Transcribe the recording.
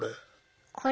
これ。